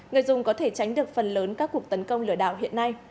người dùng có thể tránh được phần lớn các cuộc tấn công lừa đảo hiện nay